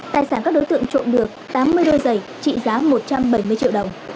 tài sản các đối tượng trộm được tám mươi đôi giày trị giá một trăm bảy mươi triệu đồng